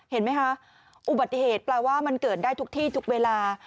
เห็นไหมคะอุบัติเหตุแปลว่ามันเกิดได้ทุกที่ทุกเวลา